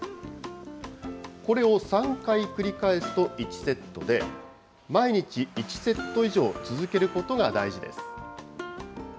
これを３回繰り返すと１セットで、毎日１セット以上続けることが大事です。